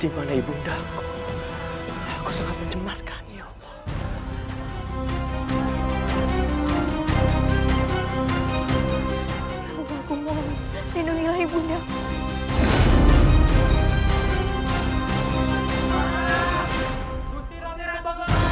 ya allah aku mau menunjukan ibu ndak